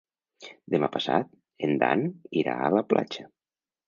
Demà passat en Dan irà a la platja.